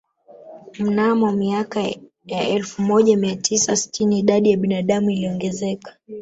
Mnamo miaka ya elfu moja mia tisa sitini idadi ya binadamu iliongezeka